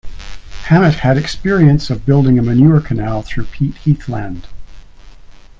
Hammett had experience of building a manure canal through peat heathland.